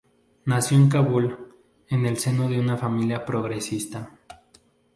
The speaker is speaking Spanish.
Nació en Kabul, en el seno de una familia progresista.